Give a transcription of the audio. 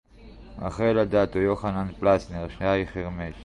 רחל אדטו, יוחנן פלסנר, שי חרמש